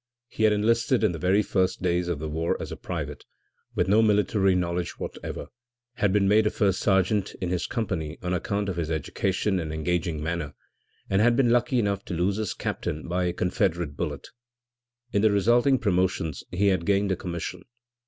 He had enlisted in the very first days of the war as a private, with no military knowledge whatever, had been made first sergeant of his company on account of his education and engaging manner, and had been lucky enough to lose his captain by a Confederate bullet; in the resulting promotions he had gained a commission.